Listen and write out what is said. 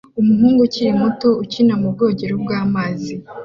Umuhungu ukiri muto ukina mu bwogero bwamazi